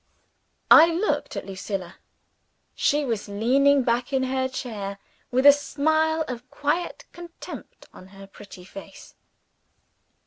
I looked at Lucilla. She was leaning back in her chair, with a smile of quiet contempt on her pretty face.